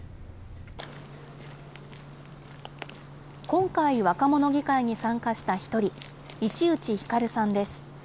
今回、若者議会に参加した一人、石内輝さんです。